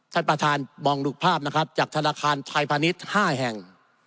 ท่านประธานมองดูภาพนะครับจากธนาคารไทยพาณิชย์๕แห่ง